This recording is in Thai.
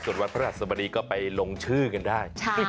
ส่วนวันพระราชสมดีก็ไปลงชื่อกันได้